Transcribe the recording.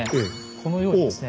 このようにですね